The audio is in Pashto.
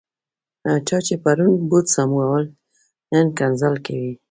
چا چې پرون بوټ سمول، نن کنځل کوي.